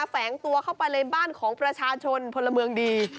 แฝงตัวเข้าไปในบ้านของประชาชนพลเมืองดี